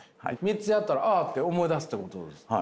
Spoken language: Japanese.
３つやったらああって思い出すってことですか？